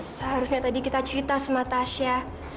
seharusnya tadi kita cerita sama tasya